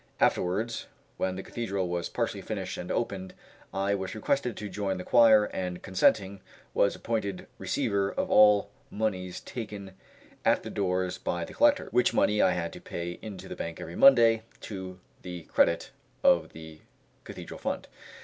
Afterwards, when the cathedral was partially finished and opened, I was requested to join the choir, and consenting, was appointed receiver of all moneys taken at the doors by the collectors; which money I had to pay into the bank every Monday to the credit of the Cathedral Fund.